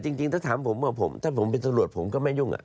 จริงถ้าถามผมถ้าผมเป็นตำรวจผมก็ไม่ยุ่ง